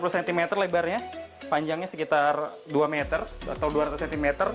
satu ratus delapan puluh cm lebarnya panjangnya sekitar dua meter atau dua ratus cm